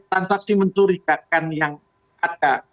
transaksi mencurigakan yang ada